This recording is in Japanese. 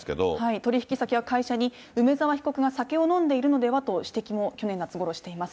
取り引き先が会社に、梅沢被告が酒を飲んでいるのではと指摘を常日頃しています。